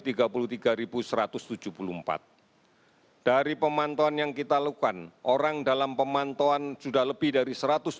dari pemantauan yang kita lakukan orang dalam pemantauan sudah lebih dari satu ratus dua puluh